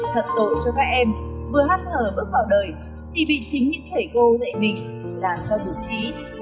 thật tội cho các em vừa hắt hở bước vào đời thì bị chính những thể cô dạy mình làm cho đủ trí